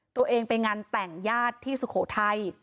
ตัวเองไปงานแต่งญาติที่สุโขทัย